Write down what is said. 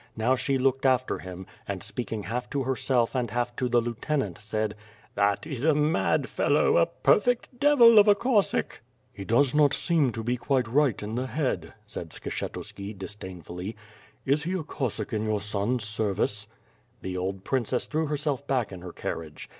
Now she looked after him, and speaking half to herself and half to the lieutenant, said: "That is a mad fellow, a perfect devil of a Cossack." "He does not seem to be quite right in the head," said Skshetuski, disdainfully. "Is he a Cossack in your sons' ser vice?" The old Princess threw herself back in her carriage.